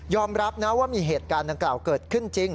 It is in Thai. รับนะว่ามีเหตุการณ์ดังกล่าวเกิดขึ้นจริง